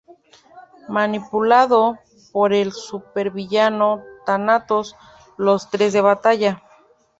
Manipulado por el supervillano Thanatos, los tres de batalla.